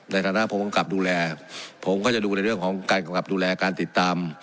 ในฐานะผู้กำกับดูแลผมก็จะดูในเรื่องของการกำกับดูแลการติดตาม